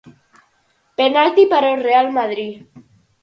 Penalty para o real madrid